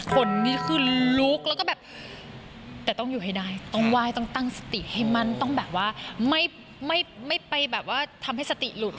คนนี้คือลุกแล้วก็แบบแต่ต้องอยู่ให้ได้ต้องไหว้ต้องตั้งสติให้มั่นต้องแบบว่าไม่ไปแบบว่าทำให้สติหลุด